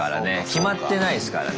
決まってないですからね。